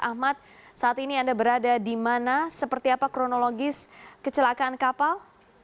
ahmad saat ini anda berada di mana seperti apa kronologis kecelakaan kapal